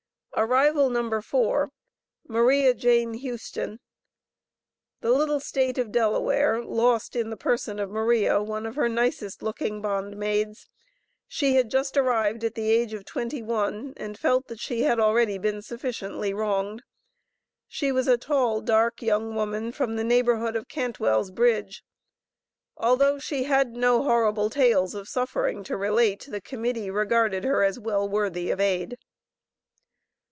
Arrival No. 4. Maria Jane Houston. The little State of Delaware lost in the person of Maria, one of her nicest looking bond maids. She had just arrived at the age of twenty one, and felt that she had already been sufficiently wronged. She was a tall, dark, young woman, from the neighborhood of Cantwell's Bridge. Although she had no horrible tales of suffering to relate, the Committee regarded her as well worthy of aid.